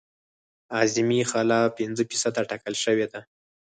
اعظمي خلا پنځه فیصده ټاکل شوې ده